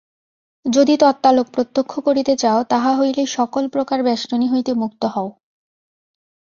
যদি তত্ত্বালোক প্রত্যক্ষ করিতে চাও, তাহা হইলে সকল প্রকার বেষ্টনী হইতে মুক্ত হও।